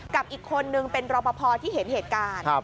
กับอีกคนนึงเป็นรอปภที่เห็นเหตุการณ์